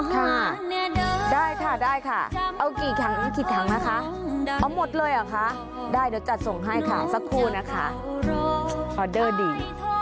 ค่ะได้ค่ะได้ค่ะเอากี่ถังกี่ถังนะคะเอาหมดเลยเหรอคะได้เดี๋ยวจัดส่งให้ค่ะสักครู่นะคะออเดอร์ดี